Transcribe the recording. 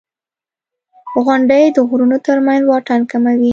• غونډۍ د غرونو تر منځ واټن کموي.